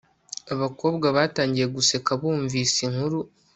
abakobwa batangiye guseka bumvise inkuru